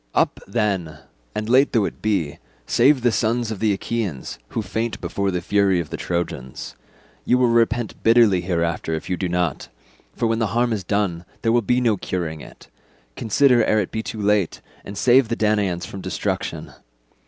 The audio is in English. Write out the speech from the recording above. Up, then, and late though it be, save the sons of the Achaeans who faint before the fury of the Trojans. You will repent bitterly hereafter if you do not, for when the harm is done there will be no curing it; consider ere it be too late, and save the Danaans from destruction.